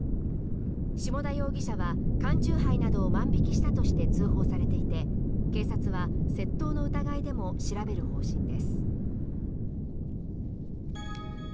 下田容疑者は缶酎ハイなどを万引きしたとして通報されていて警察は窃盗の疑いでも調べる方針です。